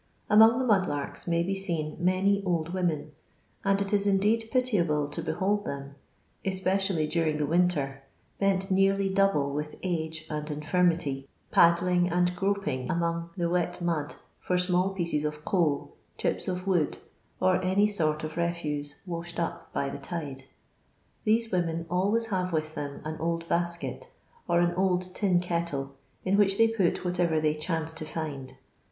I Among the mud Urks may be seen many old women, and it is indeed pitiable to behold them, espe ' dally during the winter, bent nearly double with age I and infirmity, paddling and groping among the j wet mud for small pieces of coal, chips uf wood, j or any sort of jtfnse washed up by the tide. These I women always have with them an old basket or j an oU tin kettle, ^i which they put whatever they | chance to find.